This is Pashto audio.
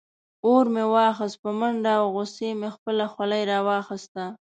اور مې واخیست په منډه او غصې مې خپله خولۍ راواخیسته.